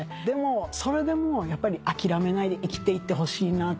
それでもやっぱり諦めないで生きていってほしい思いもあるし。